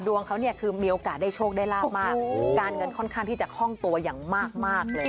ดวงเขาเนี่ยคือมีโอกาสได้โชคได้ลาบมากการเงินค่อนข้างที่จะคล่องตัวอย่างมากเลย